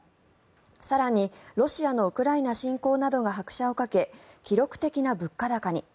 更に、ロシアのウクライナ侵攻などが拍車をかけ記録的な物価高に。